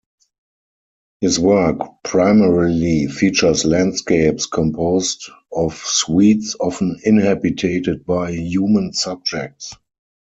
His work primarily features landscapes composed of sweets, often inhabited by human subjects.